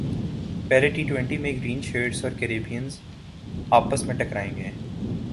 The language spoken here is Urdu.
پہلے ٹی میں گرین شرٹس اور کیربیئنز اج پس میں ٹکرائیں گے